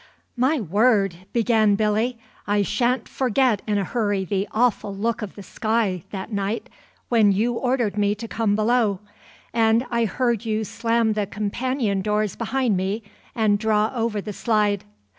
"My word," began Billy, "I shan't forget in a hurry the awful look of the sky, that night, when you ordered me to come below, and I heard you slam the companion doors behind me, and draw over the slide.